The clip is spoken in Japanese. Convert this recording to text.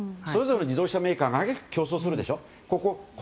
それぞれの自動車メーカーが競争するでしょ。